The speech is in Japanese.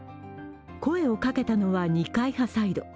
声を掛けたのは二階派サイド。